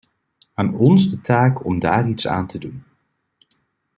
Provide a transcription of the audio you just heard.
Aan ons de taak om daar iets aan te doen.